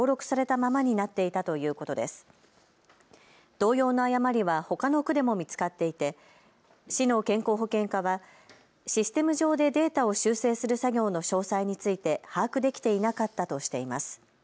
同様の誤りはほかの区でも見つかっていて市の健康保険課はシステム上でデータを修正する作業の詳細について把握できていなかったとしています。